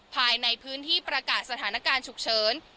ภายในพื้นที่ประกาศสถานการณ์ฉุกเฉิน